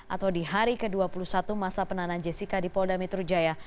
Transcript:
atau di hari ke dua puluh satu masa penahanan jessica di polda metro jaya